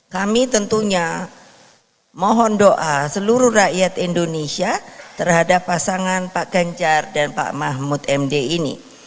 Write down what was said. kami tentunya mohon doa seluruh rakyat indonesia terhadap pasangan pak ganjar dan pak mahfud md ini